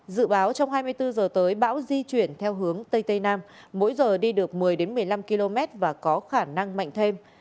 dự báo trong hai mươi bốn h tới bão di chuyển theo hướng tây tây nam mỗi giờ đi được một mươi một mươi năm km và có khả năng mạnh thêm